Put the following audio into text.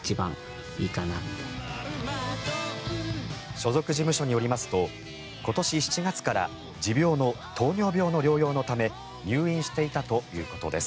所属事務所によりますと今年７月から持病の糖尿病の療養のため入院していたということです。